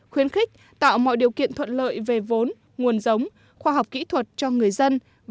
khuyến khích tạo mọi điều kiện thuận lợi về vốn nguồn giống khoa học kỹ thuật cho người dân